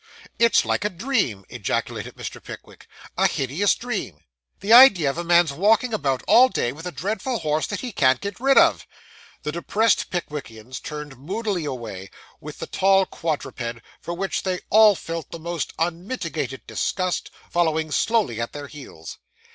'It's like a dream,' ejaculated Mr. Pickwick, 'a hideous dream. The idea of a man's walking about all day with a dreadful horse that he can't get rid of!' The depressed Pickwickians turned moodily away, with the tall quadruped, for which they all felt the most unmitigated disgust, following slowly at their heels.